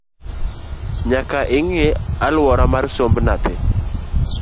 Nyaka ing’i aluora mar somb nyathi